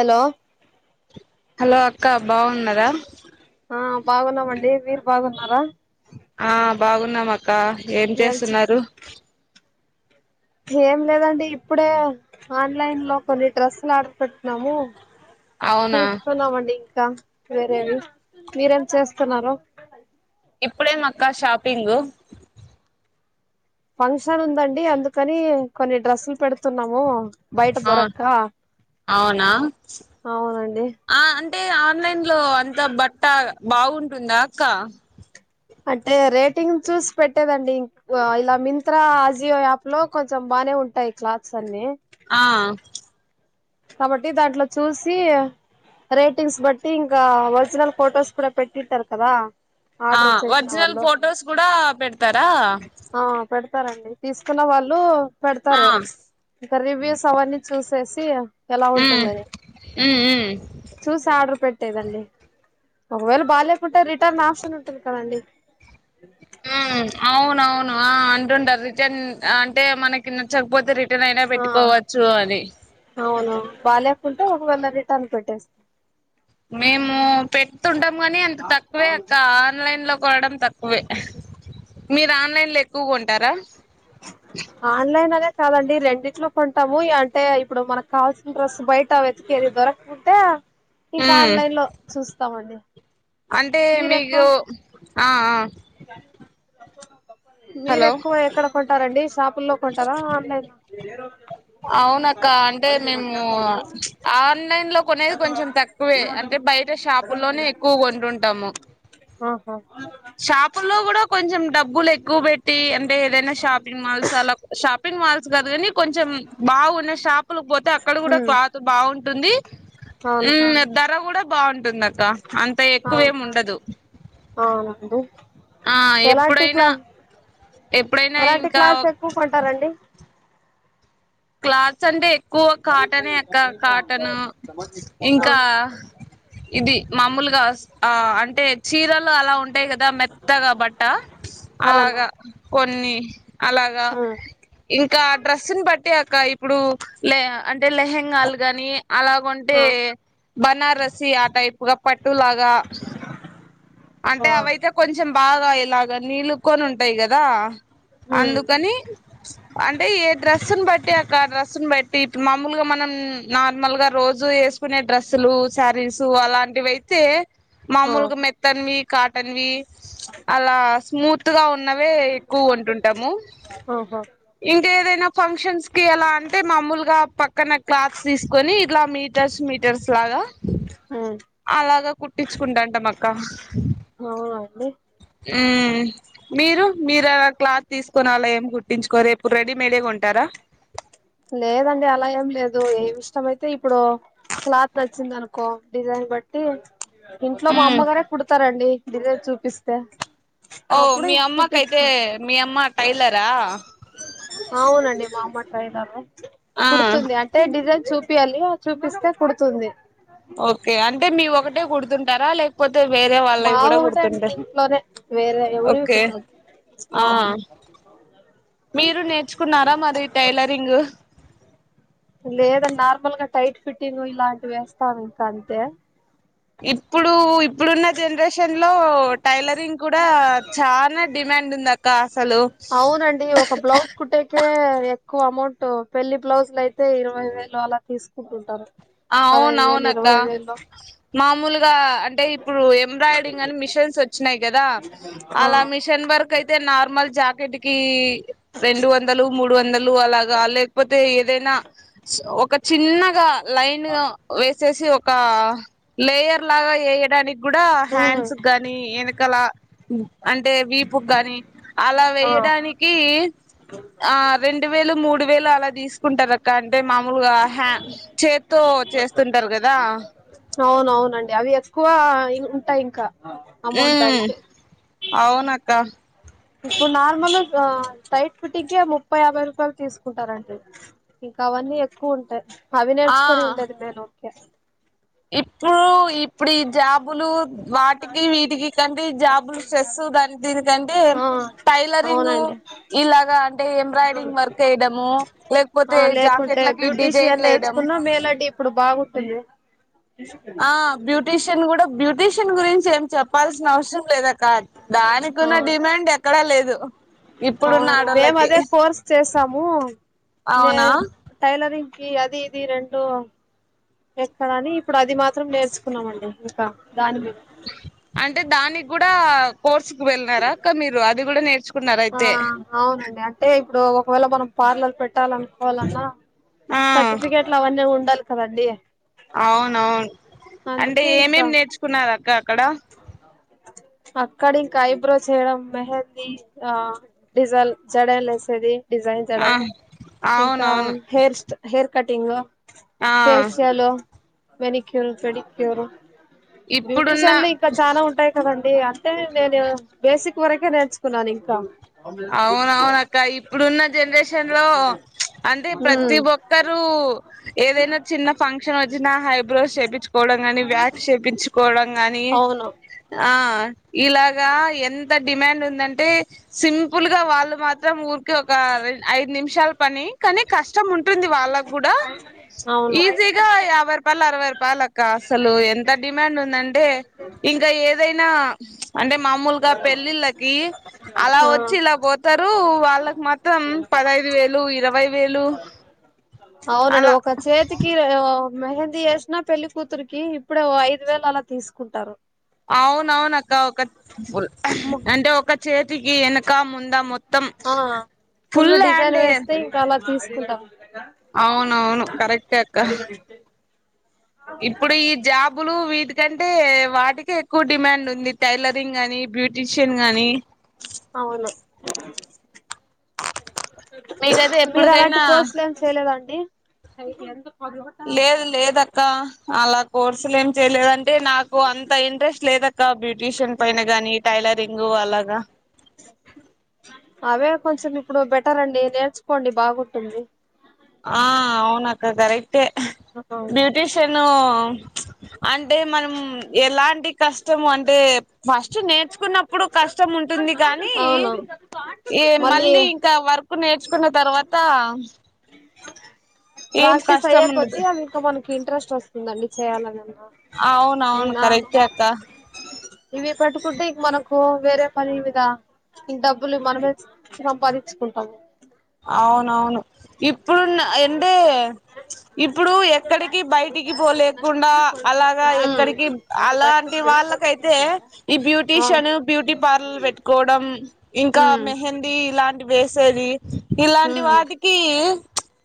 Hello hello అక్క బాగున్నారా ఆ బాగున్నామండి మీరు బాగున్నారా ఆ బాగున్నా మా క్క ఏం చేస్తున్నారు ఏం లేదండి ఇప్పుడే ఆన్లైన్ లో కొన్ని డ్రెస్సులు ఆర్డర్ పెట్టిన్నాము. అవునా చూసుతున్నామండి ఇంకా వేరేవి మీరేం చేస్తున్నారు ఇప్పుడే మ అక్క షాపింగ్ ఫంక్షన్ ఉందండి. అందుకని కొన్ని డ్రెస్సులు పెడుతున్నాము. బయట అ దొరక్క అవునా అవునండి తె ఆన్లైన్లో లో అంత బట్టా బాగుంటుందా అక్క అంటే రేటింగ్ చూసి పెట్టేదండి. ఇలా మింత్రా ఆజియో యాప్ లో కొంచెం బానే ఉంటాయి. క్లాత్స్ అన్ని ఆ కాబట్టి దాంట్లో చూసి రేటింగ్స్ బట్టి ఇంకా ఒరిజినల్ ఫొటోస్ కూడా పెట్టింట్టారు కదా. ఆ ఆర్డర్ చేసిన ఒరిజినల్ వాళ్ళు ఫొటోస్ కూడా పెడతారా తరండి తీసుకున్న వాళ్ళు ఆ పెడతారు ఈక రివ్యుస్ అవ్వన్నీ చూసేసి ఎలా ఉమ్ ఉంటుందని ఉమ్ ఉమ్ చూసి ఆర్డర్ పెట్ తే దండి ఒకవేళ బాలేకుంటే రిటర్న్ ఆప్షన్ ఉంటుంది. కదండి ఉ అవునవును ఆ అంటుంటారు రిటన్ అంటే మనకి నచ్చకపోతే రి టన్ అయినా ఆ పెట్టుకోవచ్చు అని బాలేేకుంటే ఒకవేళ రిటర్న్ పెట్టేస్తాం. మేము పెడ్తుంటం మని అంత తక్కువే అక్క ఆన్లైన్ లో కొనడం తక్కువే మీరు ఆన్లైన్ లో ఎక్కువ కొంటారా ఆన్లైన్ గదా కాదండి రెండిట్లో కొంటాము. అంటే ఇప్పుడు మనకు కావాల్సిన డ్రెస్ బయట వెతికేది దొరకకుంటే ఇంక ఉమ్ ఆన్లైన్ లో చూస్తామండి అంటే మీరు ఎక్కువ మీకు ఆఆ మీరు ఎక్కువ ఎక్కడ కొంటారండి షాపుల్లో కొంటారా ఆన్లైన్ మీరు ఎ రోజు అయినా అవునక్క అంటే మేము ఆన్లైన్ లో కొనేది కొంచెం తక్కువే అంటే బయట షాపుల్లోనే ఎక్కువ కొంటుంటాము ఆహా షాపుల్లో కూడా కొంచె జం డబ్బులు ఎక్కువ పెట్టి అంటే ఏదైనా షాపింగ్ మాల్స్ అలా షాప్ షాపింగ్ మాల్స్ కాదు కానీ కొంచెం బాగున్న షాపులు పోతే అక్కడ కూడా ఉమ్ క్లాత్ బాగుంటుంది అవును ఉమ్ ధర కూడా బాగుంటుంది అక్క అంత ఆ ఎక్కువేమి ఉండదు అవునండి ఆ ఎలాంటి ఎప్పుడైనా క్లా ఎప్పుడైనా ఎలాంటి ఇంకా క్లాస్ ఎక్కువ కొంటారండి క్లాత్స్ అండి ఎక్కువ కాటనె ఆ అక్కకాటన్ ఇంకా ఇది మామూలుగా ఆ అం అంటే చీరలు అలా ఉంటాయి కదా మెత్తగా బట్ట అవును అలాగా కొ ని అలాగా ఉమ్ ఇంకా డ్రెస్ ను బట్టి అ ఇప్పుడు లే అం అంటే లెహెంగాలు గాని అలాగంటే ఆ బనారసి ఆ టైప్ గా పట్టు లాగా అంటే ఆ అవయితే కొంచెం బాగాయ ఇలాగా నీళ్లు కొని ఉంటాయి కదా ఉమ్ అందుకని అంటే ఏ డ్రస్సును బట్టి అక్క డ్రస్సుని బట్టి తీత్ మామూలుగా మనం నార్మల్ గా రోజు వేసుకునే డ్రెస్సులు శారీస్ అలాంటివి అయితే ఆ మాములుగా మెత్త ఈ కాటన్ వి అలాస్ స్మూత్ గా ఉంది న్నవే ఎక్కువ కొంటుంటాము ఆహా ఇంక ఏదైనా ఫంక్షన్స్ కి ఎలా అంటే మామూలుగా పక్క పక్కన క్లాత్ తీసుకొని ఇట్లా మీటర్స్ మీటర్స్ లాగా ఉమ్ అలాగా కుట్టించుకుంటా అంట మాకు అక్క అవునా అండి. ఉ మీరు మీరా క్లాత్ తీసుక్కొని అలేం కుట్టించుకోరెప్పుడు రెడీమేడే కొంటారా. లేదండి అలా ఏం లేదు. ఏం ఇష్టమయితే ఇప్పుడు క్లాత్ నచ్చింది అనుకో డిజైన్ బట్టి ఇంట్లో మా మ్మ్ అమ్మగారే కుడతారండి. డిజైన్ చూపిస్తే ఓ అప్పుడు మీ అమ్మకైతే కుట్టించు మీ అమ్మ టైలరా. అవునండి, మా అమ్మ టైలర్ ఆ ఆ కుడుతుంది అంటే డిజ్ చూపియాలి అ చూపిస్తే కుడుతుంది. ఓకే అంటే మీ ఒకటే కుడుతుంటారా లే తే వేరే వాళ్ళవి మావి కూడా ఒకటే అండి కూడుతుంటె, ఇంట్లోనే వేరే ఎవరివి ఓకే కుట్టం ఆ మీరు నేర్చుకున్నారా మరి టైలరింగ్ లేదన్ నార్మల్గా టైట్ ఫిట్టింగ్ ఇలాంటివి వేస్తాను ఇంకా అంతే ఇప్పుడు ఇప్పుడున్న జనరేషన్ లో టైలరింగ్ కూడా చానా డిమాండ్ ఉంద అవునండి, ఒక బ్లౌజ్ కుట్టేకే ఎక్కువ అమౌంట్ పెళ్లి బ్లౌజ్లు అయితే ఇరవై వేలు అలా తీసుకుంటుంటారు. పదహైదు వేలు అవునవునక్క ఇరవై వేలు మామూలుగా అంటే ఇప్పుడు ఎంబ్రాయిడింగ్ అని మిషన్స్ వచ్చినయ్, కదా ఆ అలా మిషన్ వర్క్ అయితే నార్మల్ జాకెట్ కి రెండు వందలు మూడు వందలు అలాగా లేకపోతే ఇ దెనా స్ ఒక చిన్నగా లైన్ వేసేసి ఒక లేయర్ లాగా ఏయడాని గుడా ఉమ్ హ్యాండ్స్ గాని ఎనకల ఉ అంటే వీపుక్ కాని అలా ఆ వేయడానికి, ఆ రెండు వేలు, మూడు వేలు అలా తీసుకుంటార. కంటే మామూలుగా హాంస్ చేత్తో చేస్తుంటరు కదా. అవును అవునవునండి. అవి ఎక్కువ ఇం ఉంటాయ్ ఇంకా అమౌంటు దాన్కి అవునక్కా ఇప్పుడు నార్మల్ గా టైట్ ఫిట్టింకే ముప్పై యాభై రూపాయలు తీసుకుంటారండి, ఇంకా అవన్నీ ఎక్కువుంటయ్. అవి ఆ నేర్చుకొని ఉండేది మేలు [unintelligible] ఇప్పుడు ఇ ఇప్పుడు ఈ జాబులు వాటికి వీటికి కంటే జాబులు స్ట్రెస్ దాని దీనికంటే ఆ టైలరింగ్ అవునండి ఇలాగా అ అంటే ఎంబ్రాయిడిరింగ్ వర్క్ ఎయడము ఆ లేకపోతే లేకుంటే జాకెట్లకి బ్యూటీషియన్ డిజైన్లు వేయడం నేర్చుకున్నా మేలండి ఇప్పుడు బాగుంటుంది ఆ బ్యూటీషియన్ కూడా బ్యూటీషియన్ గురించి ఏం చెప్పాల్సిన అవసరం లేదక్క దానికున్న డిమాండ్ ఎక్కడా లేదు ఇప్పుడున్న అవునం మేము ఆడోళ్ళకి అదే కోర్స్ చేసాము అవునా నేను టైలరింగ్ ఈ అది ఇది రెండు ఎక్కడ అని ఇప్పుడు అది మాత్రం నేర్చుకున్నాం అండి ఇంకా దాని అంటే దానికి గుడా కోర్స్ కు వెళ్ళనారా అక్క మీరు అది కూడా నేర్చుకున్నార ఆ అయితే అవునండి అంటే ఇప్పుడు ఒకవేళ మనం పార్లర్ పెట్టాలనుకోవాలన్నా ఆ సర్టిఫికెట్లు అవన్నీ ఉండాలి కదండి అవున అవును అంటే అందుకే ఇంకా ఏమేమి నేర్చుకున్నారు అక్క ఎక్కడ అక్కడ ఇంకా ఐబ్రో చేయడం మెహందీ ఆ డిజల్ జడ లే వసేది డిజైన్ ఆ జడలో ఇంకా అవునవును హెయిర్ స్ హెయిర్ కటింగ్ ఆ ఫేషియలో మ్యానిక్యూర్ పెడిిక్యూరు ఇప్పుడు ఇషన్లు ఇంకా చాలా ఉంటాయి కదండి అంటే నేను బేసిక్ వరకే నేర్చుకున్నాను ఇంకా అవునవున అక్క ఇప్పుడున్న జనరేషన్ లో అంటే ప్రతి ఉమ్ ఒక్కరు ఏదైన చిన్న ఫక్షన్ వచ్చనా హైబ్రో చేపించుకోవడం గాని వాక్స్ చేపించుకోడం కానీ అవును ఆ ఇలాగా ఎంత డిమాండ్ ఉందంటే సిం ప్పుల్గా వాళ్ళు మాత్రం ఊరికి ఒక ఐదు నిమిషాల పని కని కష్టం ఉంటుంది వాళ్ళకు కూడా అవును ఈజీగా యాభై రూపాయలు అరవై రూపాయలు అక్క అసలు ఎంత డిమాండ్ ఉందంటే ఇంకా ఏదైనా [inaudible] అంటే మామూలుగా పెళ్ళిళ్ళకి అలా వచ్చి చిలా పోతారు వాళ్లగ మా త్రం పదైదు వేలు ఇరవై వేలు అవునండి అలా ఒక చేతికి మెహందీ చేసినా పెళ్లి కూతురికి ఇప్పుడు ఐదు వేలు అలా తీసుకుంటారు. అవునవున అక్క ఒక ము- అంటె ఒక్క చేతి ఈ ఎనక ముంద మొత్త ఫో ఫుల్ డిజైన్ అయ్యారు. వేస్తే ఇంకా అలా తీస్ కుంటాం అవునవును కరెక్ట్ అక్క ఇప్పుడు ఈ జాబులు వీటి కంటే వాటికే ఎక్కువ డిమాండ్ ఉంది టైలరింగ్ గానీ బ్యూటీషియన్ గాని అవును మీకైతే మీరు అలాంటి ఎప్పటికైనా కోర్సులు ఏమి చేయలేదండి? [unintelligible] అంత్ లేదు లేద్ అక్క అలా కోర్సులు ఏమి చేయలేదన్ అంటే నాకు అంత ఇంట్రెస్ట్ లేదక్క బ్యూటీషియన్ పైన గాని టైలరింగ్ అలాగా అవే కొంచెం ఇప్పుడు బెటర్ అండి నేర్చుకోండి బాగుంటుంది. ఆ అవున్ అక్క కరెక్ట్ టె అవును బ్యూటిషియన్ అంటే మనం ఎలాంటి కష్టము అంటే ఫస్ట్ నేర్చుకున్నప్పుడు కష్టము ఉంటుంది. కానీ అవును. ఏ మళ్ళీ ఇంకా వర్క్ నేర్చుకున్న తర్వాత్ తమ్ ప్రాసెస్ అయ్యే ఉండదు కొద్ది అవి ఇంక మనకి ఇంట్రెస్ట్ వస్తుందండి చేయాలని అన్ అవునవును కరెక్టే అక్క ఇవి పెట్టుకుంటే ఇంక మనకు వేరే పని మీద ఈ డబ్బులు మనమే సంపాదించుకుంటాము. అవునవును ఇప్ ప్పుడు అంటే ఇప్పుడు ఎక్కడికి బయటికి పోలేకుండా, అలాగా ఉమ్ ఎక్కడికి అలాంటి వాళ్ళకైతే ఈ అవును బ్యూటీషియన్ బ్యూటీ పార్లర్ పెట్టుకోవడం ఇంకా, ఉమ్ మెహందీ ఇలాంట్ వేసవి ఇలాంటి ఉమ్ వాటికి.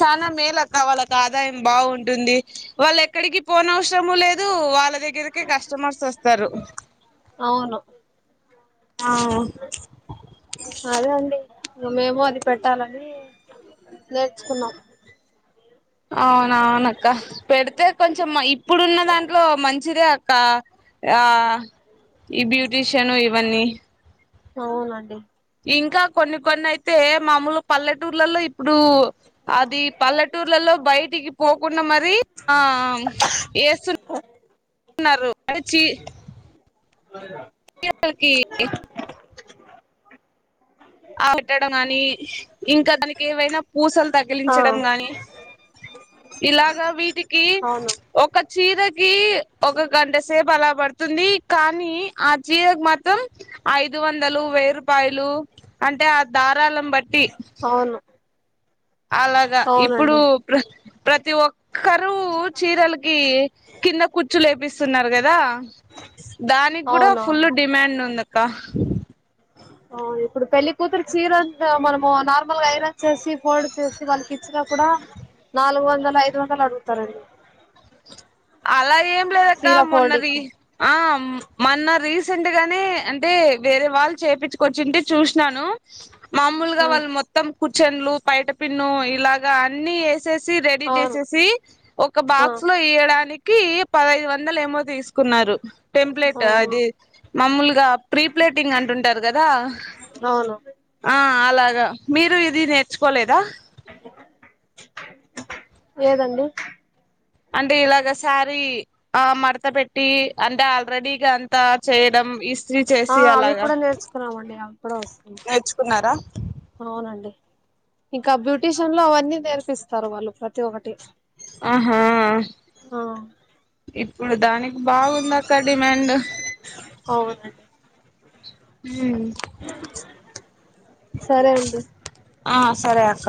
చాలా మేలు అక్క వాళ్ళకి ఆదాయం బాగుంటుంది వాళ్ళు ఎక్కడికి. పోన్ అవసరము లేదు వాళ్ళ దగ్గరకే కస్టమర్స్ వస్తారు. అవును ఆహా. అదే అండి మేము అది పెట్టాలని నేర్చుకున్నాం అవును అవును అక్క పెడితే కొంచం ఇప్పుడున్న దాంట్లో మంచిదే అ క్క ఆ బ్యూటీషియను ఇవన్నీ అవునండి ఇంకా కొన్ని కొన్ని అయితే మామూలు పల్లెటూర్లలో ఇప్పుడు, అది పల్లెటూర్లలో బయటికి పోకుండా మరి ఆ ఎస్తూ న్నారు చీ. ఇకా కి ఆ పెట్టడం గాని, ఇంకా దానికి ఏవైనా పూసలు ఆ తగిలించడం గాని, ఇలాగా వీటికి అవును ఒక చీర కి ఒక గంట సేపు అలా పడుతుంది, కానీ ఆ చీరకు మాత్రం ఐదు వందలు వెయ్యి రూపాయలు. అంటే దా కుదాలంబట్టి అవును అలాగా ఇప్పుడు అవునండి ప్ర ప్రతి ఒక్ కరువు చీరలకి కింద కుచ్చు లేపిస్ చేస్తున్నారు కదా దానికి కూడా ఫుల్ అవునవును డిమాండ్ ఉంది కా అ ఇప్పుడు పెళ్లి కూతురు చీర, మనము నార్మల్గా ఐరన్ చేసి ఫోల్డ్ చేసి వాళ్ళకి ఇచ్చిన కూడా, నాలుగు వందలు ఐదు వందలు అడుగుతారండి. అలా ఏం లేదక్క చీర ఫోల్డింగ్ మొన్నది కి ఆ మొన్న రీసెంట్ గానే అంటే వేరే వాళ్ళు చేపచ్చుకొచ్చింటే చూసినాను. మామూలుగా వాళ్ళు మొత్తం కూర్చెన్లు బైట పిన్ను ఇలాగా అన్ని ఎ సి రెడీ అవును చేసేసి ఒక ఆ బాక్స్ లో ఇయడాని పదహైదు వందల ఏమో తీసు కున్నారు టెంప్లేట్ ఆ అది, మామూలుగా ప్రీప్లేటింగ్ అంటుంటారు కదా అవును ఆ అలాగా మీరు ఇది నె నేర్చుకోలేద లేదు అండి అంటే ఇలాగ సారి ఆ మడత పెట్టి అంటే ఆల్రెడీక అంతా చేయడం ఇస్త్రీ ఆ చేసి అవి అలాగా కూడా నేర్చుకున్నామండి అవి కూడా వస్తుంది నేర్చుకున్నారా అవునండి ఇంకా బ్యూటీషియన్ లో అవన్నీ నేర్పిస్తారు వాళ్ళు ప్రతి ఒక్కటి ఆహా ఆ ఇప్పుడు దాని బాగుంది అక్క డిమాండ్ అవునండి హ సరే అండి ఆ సరే అక్క